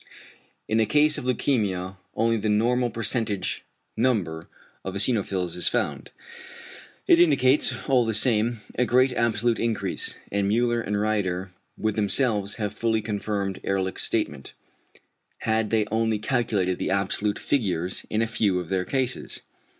If in a case of leukæmia only the normal percentage number of eosinophils is found, it indicates, all the same, a great absolute increase; and Müller and Rieder would themselves have fully confirmed Ehrlich's statement, had they only calculated the absolute figures in a few of their cases.